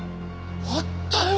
あったよ！